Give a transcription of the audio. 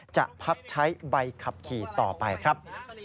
จะพักใช้ใบขับขี่ต่อไปครับ